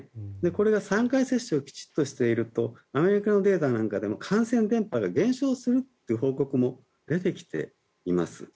これは３回接種をきちっとしているとアメリカのデータなんかでも感染伝播が減少するという報告も出てきています。